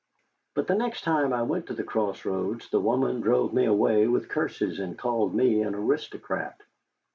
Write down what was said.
But the next time I went to the Cross Roads the woman drove me away with curses, and called me an aristocrat.